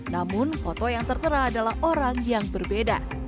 namun foto yang tertera adalah orang yang berbeda